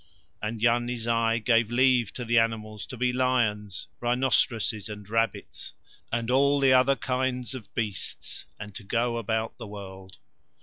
And Yarni Zai gave leave to the animals to be lions, rhinoceroses and rabbits, and all the other kinds of beasts, and to go about the world.